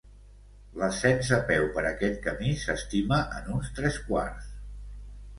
L'ascens a peu per aquest camí s'estima en uns tres quarts.